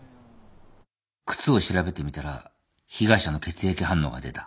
靴を調べてみたら被害者の血液反応が出た。